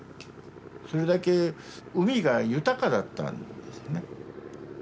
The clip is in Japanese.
それだけ海が豊かだったんですね。